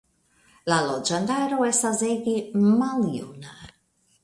La loĝantaro estas ege maljuna.